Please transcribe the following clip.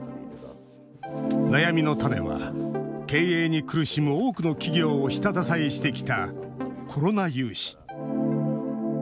悩みの種は経営に苦しむ多くの企業を下支えしてきたコロナ融資。